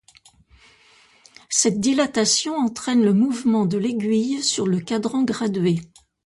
Cette dilatation entraîne le mouvement de l'aiguille sur le cadran gradué.